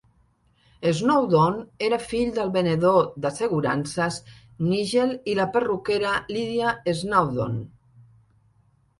Snowdon era fill del venedor d'assegurances Nigel i la perruquera Lydia Snawdon.